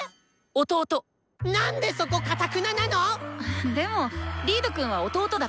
・何でそこかたくななの⁉・でもリードくんは弟だから。